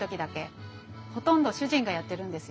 ほとんど主人がやってるんですよ。